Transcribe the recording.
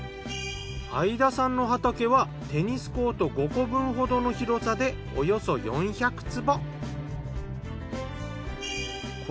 會田さんの畑はテニスコート５個分ほどの広さでおよそ４００坪。